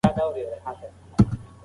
د مطالعې وده د ټولنې د شعور کچې لوړوي.